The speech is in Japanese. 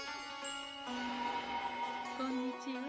こんにちは。